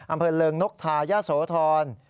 อำเภอเริงนกทายาโสธร